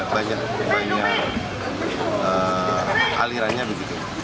banyak alirannya begitu